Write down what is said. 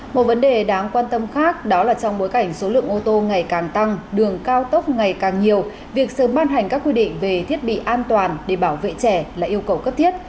một vấn đề đáng quan tâm khác đó là trong bối cảnh số lượng ô tô ngày càng tăng đường cao tốc ngày càng nhiều việc sớm ban hành các quy định về thiết bị an toàn để bảo vệ trẻ là yêu cầu cấp thiết